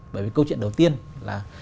bởi vì câu chuyện đầu tiên là